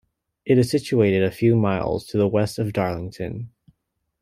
It is situated a few miles to the west of Darlington.